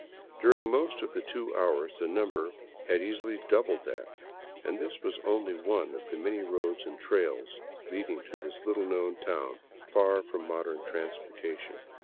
During most of the two hours the number had easily doubled that, and this was only one of the many roads and trails leading to this little known town far from modern transportation.